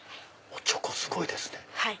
おちょこすごいですね